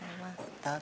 どうぞ。